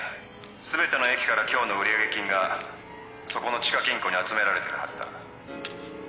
すべての駅から今日の売り上げ金がそこの地下金庫に集められてるはずだ。